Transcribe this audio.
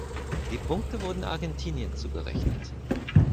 Die Punkte wurden Argentinien zugerechnet.